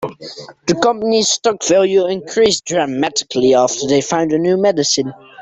The company's stock value increased dramatically after they found a new medicine.